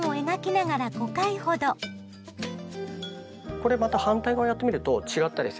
これまた反対側をやってみると違ったりするので。